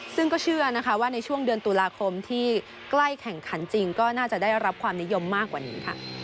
ซึ่งก็เชื่อนะคะว่าในช่วงเดือนตุลาคมที่ใกล้แข่งขันจริงก็น่าจะได้รับความนิยมมากกว่านี้ค่ะ